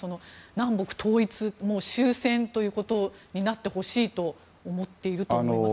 南北統一も終戦ということになってほしいと思っていると思いますか？